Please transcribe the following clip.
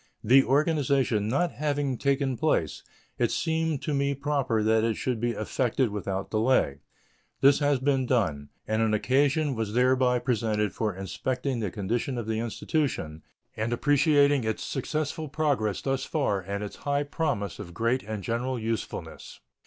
The organization not having taken place, it seemed to me proper that it should be effected without delay. This has been done; and an occasion was thereby presented for inspecting the condition of the Institution and appreciating its successful progress thus far and its high promise of great and general usefulness.